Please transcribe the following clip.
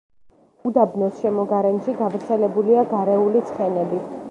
უდაბნოს შემოგარენში გავრცელებულია გარეული ცხენები.